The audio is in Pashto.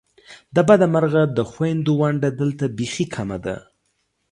د بده مرغه د خوېندو ونډه دلته بیخې کمه ده !